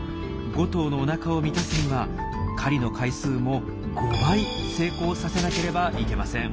５頭のおなかを満たすには狩りの回数も５倍成功させなければいけません。